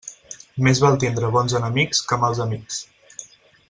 Més val tindre bons enemics que mals amics.